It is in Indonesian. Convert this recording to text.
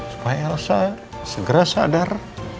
supaya elsa segera sadar